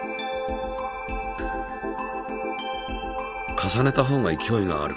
重ねたほうが勢いがある。